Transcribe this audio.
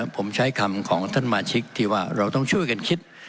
ผมใช้คำของท่านมาชิกที่ว่าเราต้องช่วยกันคิด